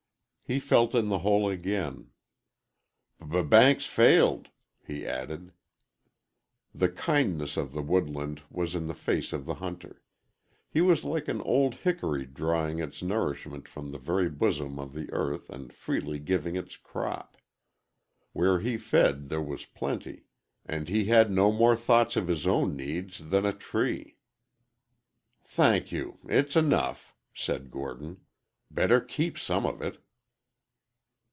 He felt in the hole again. "B bank's failed!" he added. The kindness of the woodland was in the face of the hunter. He was like an old hickory drawing its nourishment from the very bosom of the earth and freely giving its crop. Where he fed there was plenty, and he had no more thought of his own needs than a tree. "Thank you' It's enough," said Gordon. "Better keep some of it."